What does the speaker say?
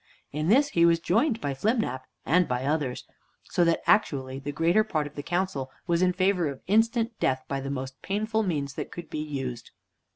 In this he was joined by Flimnap, and by others, so that actually the greater part of the council was in favor of instant death by the most painful means that could be used.